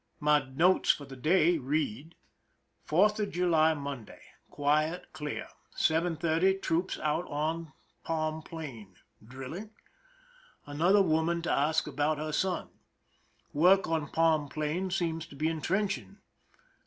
My notes for the day read : Fourth of July, Monday. Quiet, clear. 7:30, troops out on palm plain— drilling? Another woman to ask about her son. Work on palm plain seems to be intrench ing.